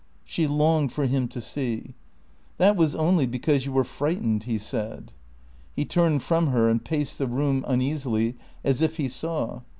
She longed for him to see. "That was only because you were frightened," he said. He turned from her and paced the room uneasily, as if he saw.